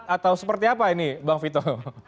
atau seperti apa ini bang vito